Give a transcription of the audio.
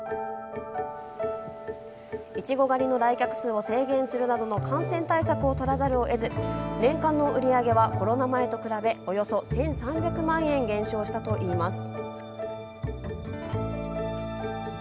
いちご狩りの来客数を制限するなどの感染対策をとらざるを得ず年間の売り上げはコロナ前と比べおよそ１３００万円減少したといいます。